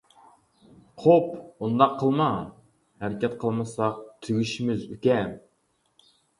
-قوپ، ئۇنداق قىلما، ھەرىكەت قىلمىساق، تۈگىشىمىز، ئۈكەم.